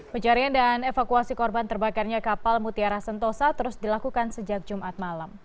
pencarian dan evakuasi korban terbakarnya kapal mutiara sentosa terus dilakukan sejak jumat malam